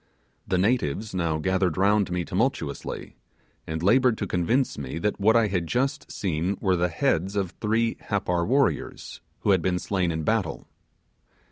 The natives now gathered round me tumultuously, and laboured to convince me that what I had just seen were the heads of three Happar warriors, who had been slain in battle.